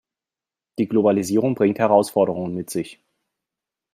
Die Globalisierung bringt Herausforderungen mit sich.